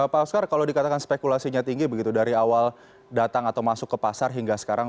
pak oscar kalau dikatakan spekulasinya tinggi begitu dari awal datang atau masuk ke pasar hingga sekarang